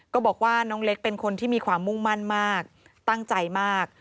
ก็บอกว่าน้องเล็กเป็นคนที่มีความมุ่งมั่นมากตั้งใจมาก